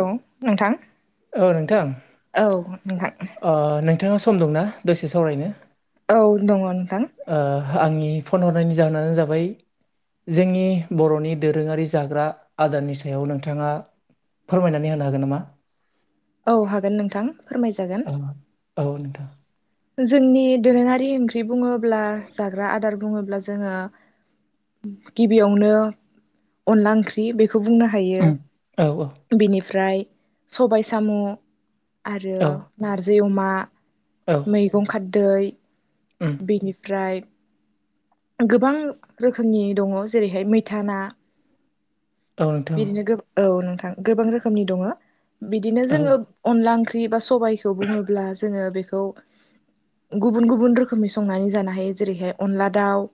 औ नोंथां औ नोंथां अ नोंथाङा सम दंना दसे सावरायनो? औ दङ नोंथां ओ आंनि फन हरनायनि जाहोनानो जाबाय जोंनि बर'नि दोरोङारि जाग्रा आदारनि सायाव नोंथाङा फोरमायनानै होनो हागोन नामा? औ हागोन नोंथां। फोरमायजागोन औ औ नो जोंनि दोरोङारि ओंख्रि बुङोब्ला जाग्रा आदार बुङोब्ला ज जोङो गबियावनो अनला‌ ओंख्रि बे खौ‌ बुंनो हायो उम औ बिनिफ्राय सबाय साम' आरो औ नारजि अमा औ मैगं खारदै। उम बेनिफ्राय गोबां रोखोमनि दङ जेरैहाय मैथा ना औ नोंथां बिदिनो गो औ नोंथां गोबां रोखोमनि दङो बिदिनो औ जोङो अनला ओंख्रि बेबा सबायखौ बुङोब्ला जोङो बे खौ गुबुन गुबुन रोखोमनि संनानै जानो हायो जेरैहाय अनला दाउ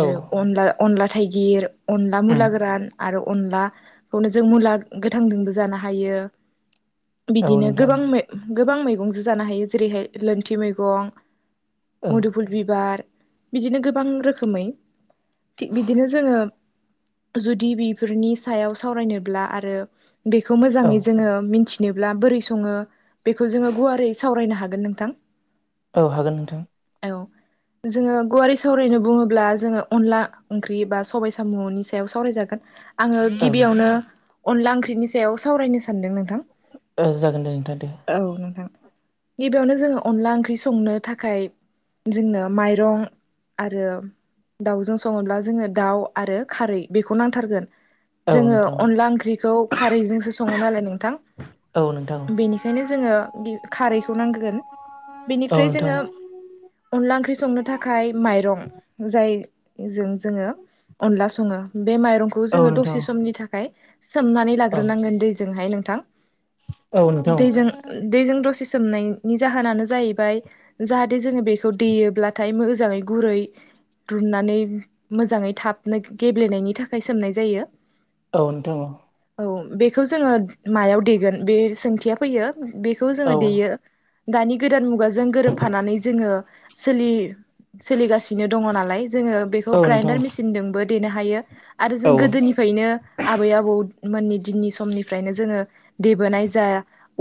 औ अनला अनला थाइगिर अनला मुला उम गोरान आरो। अनलाखौनो जों मुला गोथांजोंबो जानो हायो। औ बिदिनो नोंथां गोबां गोबां मैगंजो जानो हायो जेरैहाय लोनथि मैगं औ मुदुफुल बिबार बिदिनो गोबां गोबां रोखोमै थिग बिदिनो जोङो जुदि बेफोरनि सायाव सावरायनोब्ला आरो बेखौ औ मोजाङै जोङो मिथि नोब्ला बोरै सङो बेखौ जोङो गुवारै सावरायनो हागोन नोंथां औ हागोन नोंथां औ जोंङो गुवार हिसाबै सावरायनो बुङोब्ला जोङो अनला ओंख्रि बा सबाय साम'नि सायाव सावरायजागोन आङो औ गिबियावनो अनला ओंख्रिनि सायाव सावरायनो सानदों नोंथां ओ जागोन दे नोंथां दे औ नोंथां गिबियावनो जोङो अनला ओंख्रि संनो थाखाय जोंनो माइरं आरो दाउजों सङोब्ला जोङो दाउ आरो खारै बेखौ नांथारगोन औ जोंङो नोंथां अनला ओंख्रिखौ खारैजोंसो सङो नालाय नोंथां औ नोंथां बेनिखायनो जोंङो खारैखौ नांगोन औ बेनिफ्राय नोंथां जोङो अनला ओंख्रि संनो थाखाय माइरं जाय जों जोङो अनला सङो बे माइरंखौ औ जोङो नोंथां दसे समनि थाखाय सोमनानै औ लाग्रोनांगोन दैजोंहाय नोंथां औ नोंथां दैजों दैजों दसे सोमनायनि जाहोनानो जाहैबाय जाहाथे जोङो बेखौ दैयोब्लाथाय मोजाङै गुरै रुननानै मोजाङै थाबनो गेब्लेनायनि थाखाय सोमनाय जायो औ नोंथां औ औ बेखौ जोङो मायाव देगोन बे सोंथिया फैयो बेखौ जोङो औ देयो दानि गोदान मुगाजों गोरोबफानानै जोङो सोलिगासिनो सिनो दङ नालाय जोङो बेखौ औ नोंथां ग्राइडार मेसिनजोंबो देनो हायो आरो औ जों गोदोनिफ्रायनो आबै आबौ मोननि दिननि समनिफ्रायनो जोङो देबोनाय जा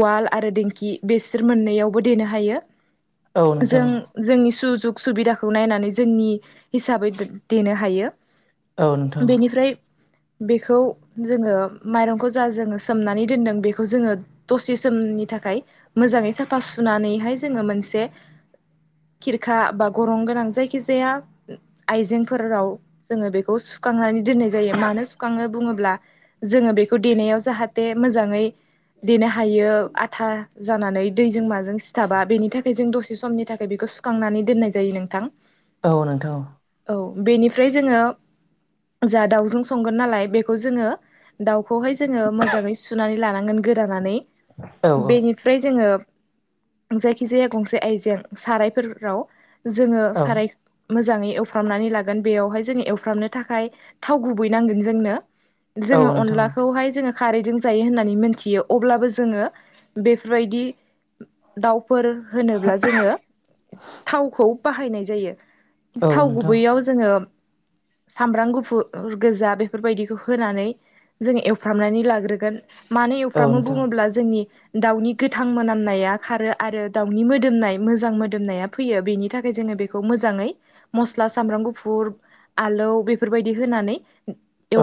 उवाल आरो दिंखि बेसोर मोननै यावबो देनो हायो औ नोंथां जों जोंनि सुजुग सुबि खौ नायनानै जोंनि हिसाबै दे-देनो हायो औ नोंथां बेनिफ्राय बेखौ जोङो माइरंखौ जा जोङो सोमनानै दोनदों बेखौ जोङो दसे सोमनि नि थाखाय मोजाङै साफा सुनानैहाय जोङो मोनसे खिरखा बा गरम गोनां जायखिजाया आइजेंफोराव जोङो बेखौ सुखांनानै दोननाय जायो मानो सुखाङो बुङोब्ला जोङो बेखौ देनायाव जाहाथे मोजाङै देनो हायो आथा जानानै दैजों माजों सिथाबा बेनि थाखाय जों दसे समनि थाखाय बेखौ सुखांनानै दोननाय जायो नोंथां औ नोंथां औ औ बेनिफ्राय जोङो जाहा दाउजों संगोन नालाय बेखौ जोङो दाउ खौहाय जोङो मोजाङै सुनानै लानांगोन गोदानानै औ बेनिफ्राय जोङो जायखिजाया गंसे आइजें सारायफोराव जोङो औ साराय मोजाङै एवफ्रामनानै लागोन बेयावहाय जोंङो एवफ्रामनो थाखाय थाव गुबै नांगोन जोंनो औ जोङो नोंथां अनलाखौहाय जोङो खारैजों जायो होननानै मोनथियो अब्लाबो जोङो बेफोरबायदि दाउ फोर होनोब्ला जोङो थावखौ बाहायनाय जायो औ थाव नोंथां गुबैयाव जोङो सामब्राम गुफुर ओ गोजा बेफोरबायदिखौ होनानै जोङो एवफ्रामनानै लाग्रोगोन मानो औ एवफ्रामनो नोंथां बुङोब्ला जोंनि दाउनि गोथां मोनामनाया खारो आरो दाउनि मोदोमनाय मोजां मोदोमनाया फैयो बेनि थाखाय जोङो बेखौ मोजाङै मस्ला सामब्राम गुफुर आलौ बेफोरबायदि होनानै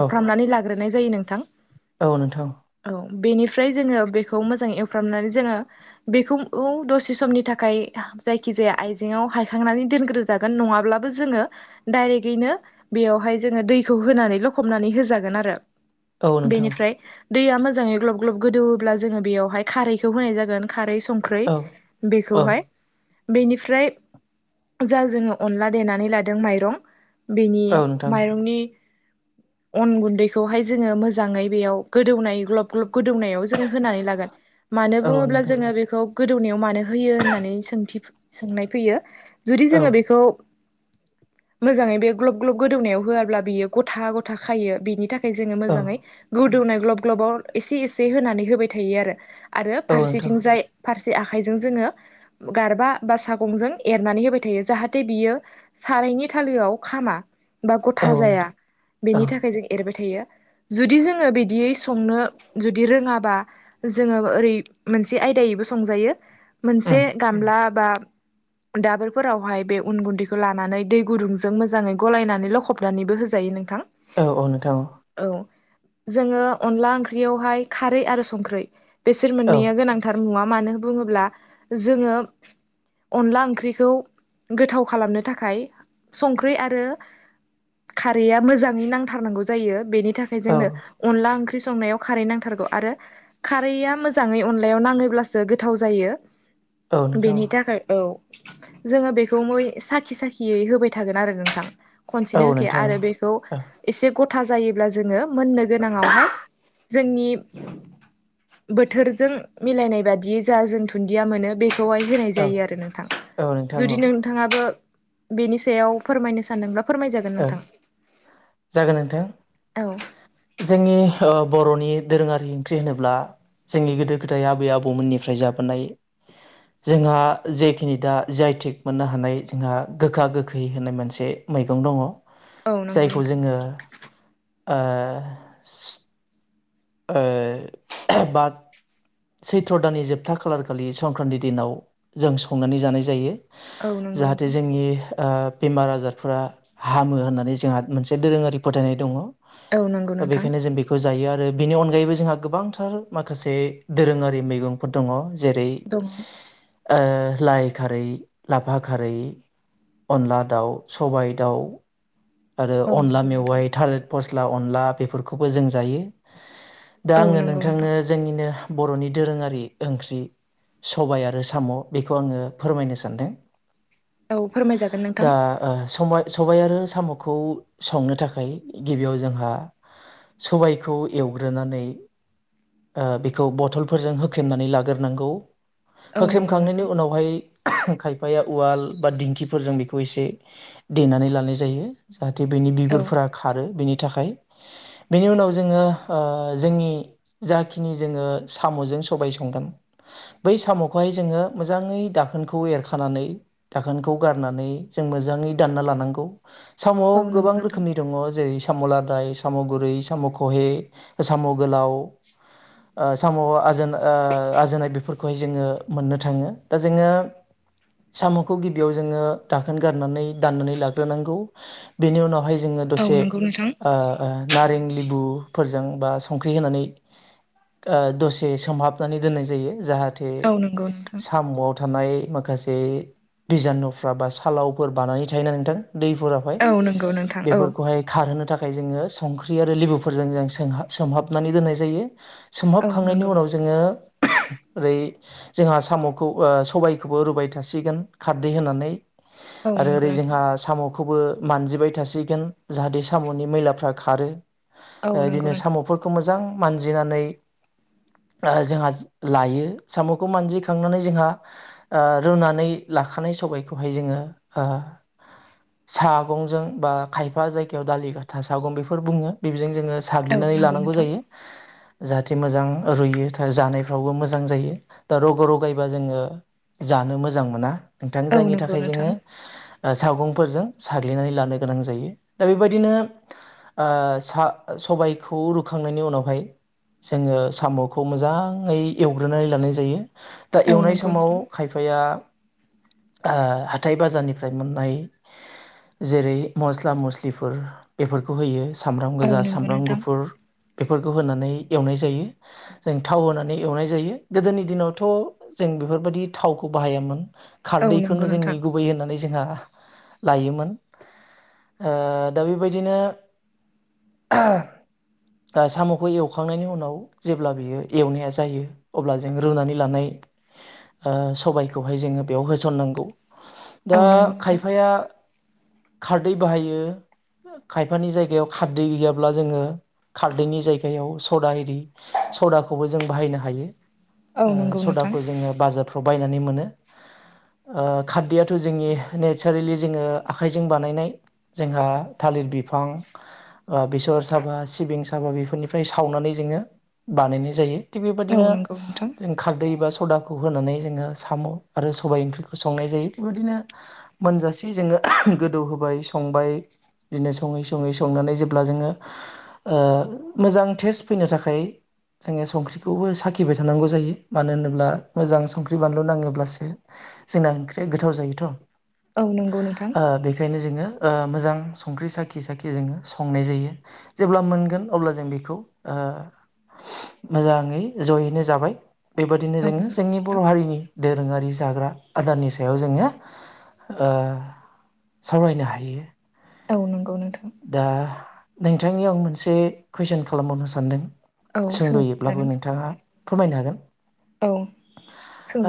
औ लाग्रोनाय जायो नोंथां औ नोंथां औ बेनिफ्राय जोङो बेखौ मोजाङै एवफ्रामनानै जोङो बेखौ औ दसे समनि थाखाय जायखिजाया आइजेंआव हा खांनानै दोनग्रो जागोन नङाब्लाबो जोङो दायरेकयैनो बेयावहाय जोङो दैखौ होनानै हमनानै होजागोन आरो औ नोंथां बेनिफ्राय दै मोजांयै ग्लब ग्लब गोदौवोब्ला जोङो बेयावहाय खारैखौ होनाय जागोन खारै संख्रै औ औ बेखौहाय बेनिफ्राय जा जोङो अनला देनानै लादों माइरं बेनि औ नोंथां माइरंनि अन गुन्दैखौहाय जोङो मोजाङै बेयाव गोदौनाय ग्लब ग्लब गोदौनायाव जोङो होनानै लागोन मानो औ बुङोब्ला नोंथां जोङो बेखौ गोदौनायाव मानो होयो होननानै सोंथि सोंनाय फैयो जुदि औ जोङो बेखौ मोजाङै बे ग्लब ग्लब गोदौनायाव होआब्ला बियो गथा गथा खायो बेनि थाखाय खाय जोङो औ नोंथां औ नोंथां मोजाङै औ गोदौनाय ग्लब ग्लबाव एसे एसे होनानै होबाय थायो आरो आरो उम औ फारसेथिंजाय फारसे आखाइजों जोङो गारबा बा सागंजों ए रनानै होबाय थायो जाहाथे बियो सारायनि थालोआव खामा बा गथा जाया बेनि थाखाय जों एरबाय थायो। जुदि जोङो बिदियै संनो जुदि रोङाबा जोङो ओरै मोनसे आयदायैबो संजायो मोनसे गामला बा दाबोरफोरावहाय बे उन गुन्दैखौ लानानै दै गुदुंजों मोजाङै गलायनानै लखबनानैबो होजायो नोंथां। औ औ नोंथां औ। जोङो अनला ओंख्रियावहाय खारै आरो संख्रै बेसोर औ मोननैया गोनांथार मुवा। मानो बुङोब्ला जोङो अनला ओंख्रिखौ गोथाव खालामनो थाखाय संख्रि आरो खारैया मोजाङै नांथारनांगौ जायो बेनि थाखाय औ जोंनो अनला ओंख्रि ओंख्रि संनायाव खारै नांथारगौ आरो खारैया मोजाङै अनलायाव नाङोब्लासो गोथाव जायो। औ नोंथां बेनि थाखाय औ। जोङो बेखौ मै साखि साखियै होबाय थागोन आरो नोंथां। औ खनसेनो होखाया नोंथां आरो बेखौ एसे गथ था जायोब्ला जोङो मोननो गोनाङावहाय जोंनि बोथोरजों मिलायनाय बादियै जा जों दुन्दिया मोनो बे खौहाय होनाय जायो औ आरो नोंथा। औ औ नोंथां जुदि औ नोंथाङाबो बेनि सायाव फोरमायनो सानदोंब्ला फोरमायजागोन ओ नोंथां जागोन नोंथां औ जोंनि ओ बर'नि दोरोङारि ओंख्रि होनोब्ला जोंनि गोदो गोदाय आबै आबौमोननिफ्राय जाबोनाय जोंहा जेखिनि दा जाय थिग मोननो हानाय जोंहा गोखा गोखै होननाय मोनसे मैगं दङ औ नंगौ जायखौ नोंथां जोङो ओ ओ बाद सैथ्र' दाननि जोबथा खालार खालि संक्रान्ति दिनाव जों संनानै जानाय जायो। औ नंगौ जाहाथे नोंथां जोंनि ओ बेमार आजारफोरा हामो होननानै जोंहा मोनसे दोरोङारि फोथायनाय दङ। औ नंगौ दा नोंथां। बेखायनो जों बेखौ जायो आरो बेनि अनगायैबो जोंहा गोबांथार माखासे दोरोङारि मैगंफोर दङ। जेरै दङ ओ लाइ खारै, लाफा खारै अनला दाउ, सबाय दाउ आरो औ अनला नंगौ नोंथां मेवाइ, थालिर फस्ला अनला, बेफोरखौबो जों जायो। दा औ आङो नंगौ नोंथां नोंथांनो जोंनिनो बर'नि दोरोङारि ओंख्रि सबाय आरो साम' बेखौ आङो फोरमायनो सानदों। औ फोरमायजागोन नोंथां दा ओ सबाय सबाय आरो साम' खौ संनो थाखाय गिबियाव जोंहा सबायखौ एवग्रोनानै बेखौ बथलफोरजों होखेनानै लाग्रोनांगौ। औ नंगौ होख्रेमखांनायनि नोंथां उनावहाय खायफाया उवाल बा दिंखिफोरजों बेखौ एसे देनानै लानाय जायो। जाहाथे बेनि औ बिगुरफोरा खारो बेनि थाखाय बेनि उनाव जोङो जोंनि जाखिनि जोङो साम'जों सबाय संगोन बै साम'खौहाय जोङो मोजाङै दाखोनखौ एरखानानै दाखोनखौ गारनानै जों मोजांयै दानना लानांगौ। साम'आव औ गोबां नंगौ नोंथां रोखोमनि दं ‌जेरै साम' लादाय, साम' गुरै, साम' खहे, साम' गोलाव ओ साम आज‌ ओ आजोननाय बेफोरखौहाय जोङो मोननो। थाङो दा जोङो साम'खौ गिबियाव जोङो दाखोन गारनानै दाननानै लाग्रोनांगौ। बेनि उनावहाय जोङो औ दसे नंगौ नोंथां ओ ओ नारें लिबु फोरजों बा संख्रि होनानै ओ दसे सोमहाबनानै दोननाय जायो। जाहा थे औ नंगौ नोंथां साम'आव थानाय माखासे बिजानुफ्रा बा सालावफोर बानानै थायोना नोंथां। दै हाय औ नंगौ नोंथां औ बेफोरखौहाय खारहोनो था खाय जोङो संख्रि आरो लेबुफोरजों जों सोंहा-सोमहाबनानै दोननाय जायो। औ सोमहाबखांनायनि नंगौ उनाव जोङो ओरै जोंहा साम'खौ ओ सबायखौबो रुबाय थासिगोन खारदै होनानै। औ आरो नंगौ ओरै नोंथां जोंहा साम'खौबो मानजिबाय थासिगोन जाहाथे साम'नि मैलाफ्रा खारो। औ ओ नंगौ बिदिनो नोंथां साम'फोरखौ मोजां मानजिनानै ओ जोंहा लायो। साम'खौ मानजिखांनानै जोंहा ओ रुनानै लाखानाय सबायखौहाय जोङो ओ सा बुंजों बा‌ खायफा जायगायाव दालि‌ गथा सागं बेफोर बुङो। बेजों जोङो औ साग्लिना नंगौ लानांगौ नोंथां जायो। जाहाथे मोजां रुइयो जानायफ्रावबो मोजां जायो। दा रग' रगायबा जोङो जानो मोजां मोना नोंथां औ जायनि नंगौ थाखाय नोंथां जोङो ओ सावगंफोरजों सा ग्लिनानै लानो गोनां जायो। दा बेबायदिनो ओ सा सबायखौ रुखांनायनि उनावहाय जोङो साम'खौ मोजाङै एवग्रोनानै लानाय जायो। दा औ एवनाय नंगौ समाव नोंथां खायफाया ओ हाथाय बाजारनिफ्राय मोननाय जेरै मस्ला मस्लिफोर बेफोरखौ होयो सामब्राम औ गोजा नंगौ सामब्राम नोंथां गुफुर बेफोरखौ होनानै एवनाय जायो। जों थाव होनानै एवनाय जायो। गोदोनि दिनावथ' जों बेफोरबायदि थावखौ बाहायामोन। औ नंगौ खारदैखौनो नोंथां जोंनि गुबै होननानै जोंहा लायोमोन। ओ दा बेबायदिनो दा साम'खौ एवखांनायनि उनाव जेब्ला बियो एवनाया जायो अब्ला जों रुनानै लानाय ओ सबायखौहाय जोङो बेयाव होसननांगौ। औ दा नंगौ नोंथां खायफाया खारदै बाहायो खायफानि जायगायाव खारदै गैयाब्ला जोङो खारदैनि जायगायाव सदा एरि सदाखौबो जों बाहायनो हायो। औ ओ नंगौ नोंथां सदाखौ जोङो बाजार फ्रखव बायनानै मोनो। खारदैयाथ' जोंनि नेचारेलि जोङो आखाइजों बानायनाय जोंहा थालिर बिफां, बेसर साबा, सिबिं साबा, बेफोरनिफ्राय सावनानै जोङो बानायनाय जायो। थिग औ बेबायदिनो नंगौ नोंथां जों खारदै एबा सदाखौ होनानै जोङो साम' आरो सबाय ओंख्रिखौ संनाय जायो। बेबायदिनो मोनजासे जोङो गोदौ होबाय संबाय बिदिनो सङै सङै संनानै जेब्ला जोङो ओ मोजां टेस्ट फैनो थाखाय जोङो संख्रिखौबो साखिबाय थानांगौ जायो। मानो होनोब्ला मोजां संख्रि बानलु नाङोब्लासो जोंना ओंख्रिया गोथाव जायोथ'। औ नोंगौ नोंथां। बेखायनो जोङो ओ मोजां संख्रि साखि साखि जोङो संनाय जायो जेब्ला मोनगोन अब्ला जों बेखौ ओ मोजाङै जयैनो जाबाय। बेबादिनो औ नंगौ जोङो जोंनि नोंथां बर' हारिनि दोरोङारि जाग्रा आदारनि सायाव जोङो ओ सावरायनो हायो। औ नंगौ नों दा नोंथांनि आं मोनसे कुइसन खालामबावनो सानदों। औ सोंद'यैब्लाबो सोंजागोन नोंथाङा फोरमायनो हागोन। औ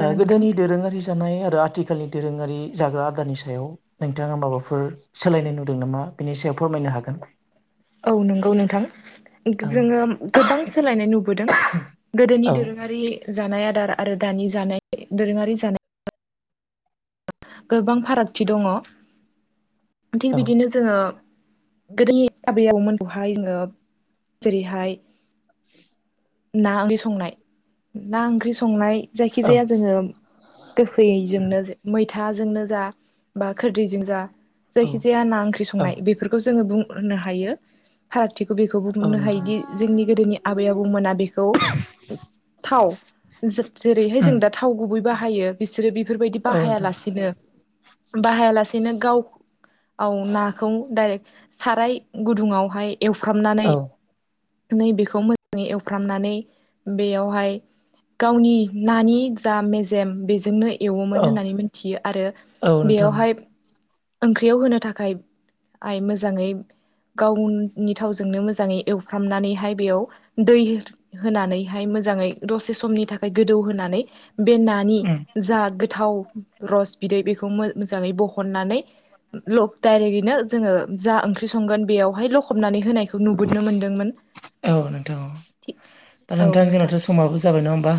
ओ नोंथां गोदोनि दोरोङारि जानाय आरो आथिखालनि दोरोङारि जाग्रा आदारानि सायाव नोंथाङा माबाफोर सोलायनाय नुदों नामा? बिनि सायाव फोरमायनो हागोन। औ नंगौ नोंथां औ जोङो गोबां सोलायनाय नुुबो दों गोदोनि औ दोरोङारि जानाय आदार आरो दानि जानाय दोरोङारि जानाय। गोबां फारागथि दङ थिग औ बिदिनो जोङो गोदोनि आबै आबौमोनखौहाय जोङो जेरैहाय ना ओंख्रि संनाय ना ओंख्रि संनाय जायखि औ जाया जोङो गोखैजोंनो मै थाजोंनो जा बा खोरदैजों जा जायखि औ जाया ना ओंख्रि औ संनाय बेफोरखौ जोङो बुं होनो हायो हाथ खाथिखौ बेखौ औ बुंनो नोंथां हायोदि जोंनि गोदोनि आबै आबौमोना बेखौ थाव जो जेरैहाय उम जों दा थाव गुबै बा बाहायो बिसोरो बेफोरबायदि औ बाहाया नोंथां लासेनो बाहाया लासेनो गाव आव नाखौ डाइरेक्ट साराय गुदुङावहाय एवफ्रामनानै औ नैबेखौ मोजाङै एवफ्रामनानै बेयावहाय गावनि नानि जा मेजेम बेजोंनो एवोमोन औ होननानै मिथियो आरो औ नोंथां बेयावहाय ओंख्रियाव होनो थाखाय आइ मोजाङै गावनि थावजोंनो मोजाङै एवफ्रामनानैहाय बेयाव दै होनानैहाय मोजाङै दसे समनि थाखाय गोदौ होनानै बे नानि उम जा गोथाव रस बिदै बेखौ मो मोजाङै बहननानै नो जोङो जा ओंख्रि संगोन बेयावहाय लखबनानै होनायखौ नुबोनो मोनदोंमोन औ नोंथां औ थि दा नोंथां जोंहाथ' समाबो जाबाय नङा होमबा